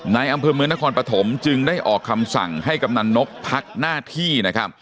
ในอำเภอเมืองนครปฐมจึงได้ออกคำสั่งให้กำนันนกพักหน้าที่นะครับ